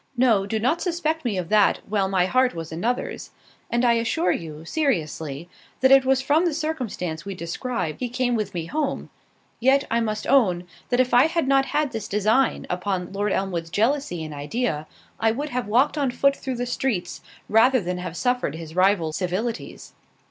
No; do not suspect me of that, while my heart was another's: and I assure you, seriously, that it was from the circumstance we described he came with me home—yet, I must own, that if I had not had this design upon Lord Elmwood's jealousy in idea, I would have walked on foot through the streets, rather than have suffered his rival's civilities.